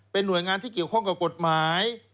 เป็นหน่วยงานที่เกี่ยวข้องกับกฎหมาย